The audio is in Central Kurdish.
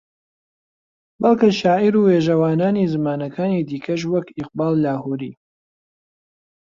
بەڵکە شاعیر و وێژەوانانی زمانەکانی دیکەش وەک ئیقباڵ لاھووری